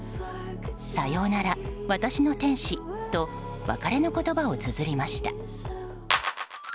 さようなら、私の天使と別れの言葉をつづりました。